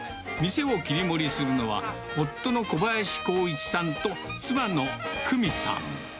店を切り盛りするのは、夫の小林功一さんと、妻の久美さん。